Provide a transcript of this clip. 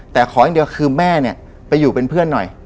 แต่ขออย่างเดียวคือแม่เนี่ยไปอยู่เป็นเพื่อนหน่อย